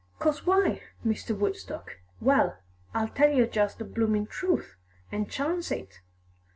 "'Cos why, Mr. Woodstock? Well, I'll tell yer just the bloomin' truth, an' charnce it.